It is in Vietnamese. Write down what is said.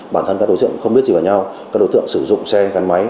bản thân các đối tượng không biết gì với nhau các đối tượng sử dụng xe gắn máy